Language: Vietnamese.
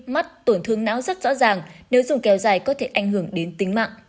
mắt tổn thương não rất rõ ràng nếu dùng kéo dài có thể ảnh hưởng đến tính mạng